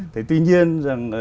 thế tuy nhiên rằng